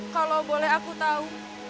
kalau boleh aku tahu